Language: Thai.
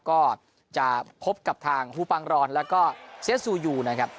ก็จะพบกับทางฮูปังรอนแล้วก็เซียสซูยูนะครับ